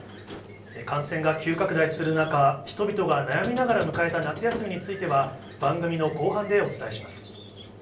感染が急拡大する中、人々が悩みながら迎えた夏休みについては、番組の後半でお伝えします。